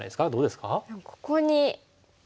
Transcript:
でもここに。